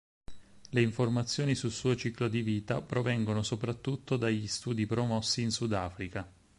Le informazioni sul suo ciclo di vita provengono soprattutto dagli studi promossi in Sudafrica.